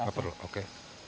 nggak perlu oke